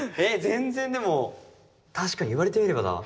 全然でも確かにいわれてみればだ。